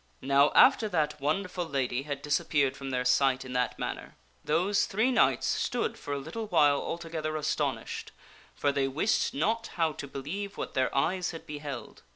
NOW, after that wonderful lady had disappeared from their sight in that manner, those three knights stood for a little while alto gether astonished, for they wist not how to believe what their eyes had beheld.